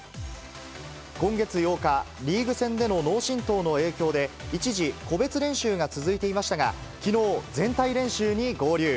今月８日、リーグ戦での脳震とうの影響で、一時個別練習が続いていましたが、きのう、全体練習に合流。